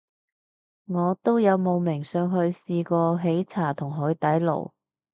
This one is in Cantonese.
我都有慕名上去試過喜茶同海底撈